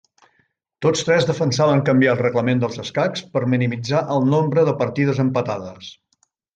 Tots tres defensaven canviar el reglament dels escacs per minimitzar el nombre de partides empatades.